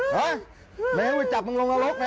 เหมือนจะจับมันลงระรกนะ